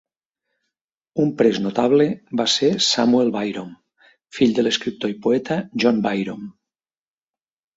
Un pres notable va ser Samuel Byrom, fill de l'escriptor i poeta John Byrom.